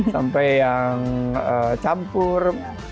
sampai yang campur